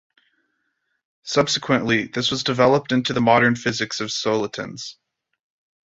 Subsequently, this was developed into the modern physics of solitons.